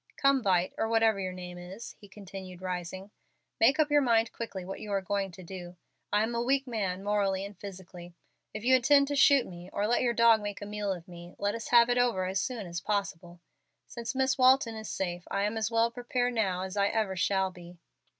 Come, Vight, or whatever your name is," he continued, rising, "make up your mind quickly what you are going to do. I am a weak man, morally and physically. If you intend to shoot me, or let your dog make a meal of me, let us have it over as soon as possible. Since Miss Walton is safe, I am as well prepared now as I ever shall be."